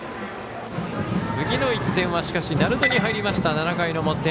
次の１点は、鳴門に入りました７回の表。